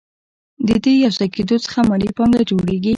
د دې یوځای کېدو څخه مالي پانګه جوړېږي